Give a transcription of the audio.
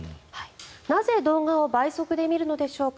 なぜ、動画を倍速で見るのでしょうか。